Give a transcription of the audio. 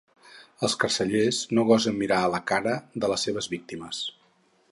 Els carcellers no gosen mirar a la cara de les seves víctimes.